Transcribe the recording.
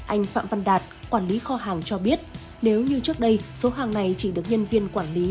anh phạm văn đạt quản lý kho hàng cho biết nếu như trước đây số hàng này chỉ được nhân viên quản lý